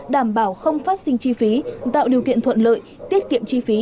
đảm bảo không phát sinh chi phí tạo điều kiện thuận lợi tiết kiệm chi phí